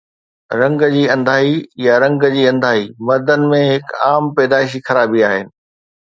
رنگ جي انڌائي يا رنگ جي انڌائي مردن ۾ هڪ عام پيدائشي خرابي آهي